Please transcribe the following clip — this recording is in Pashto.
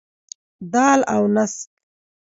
دال او نسک.